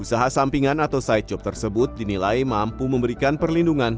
usaha sampingan atau side job tersebut dinilai mampu memberikan perlindungan